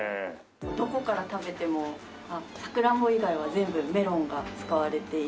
どこから食べてもサクランボ以外は全部メロンが使われていまして。